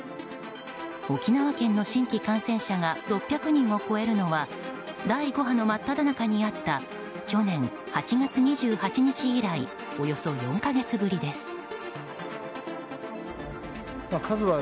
沖縄県の新規感染者が６００人を超えるのは第５波の真っただ中にあった去年８月２８日以来およそ４か月ぶりです。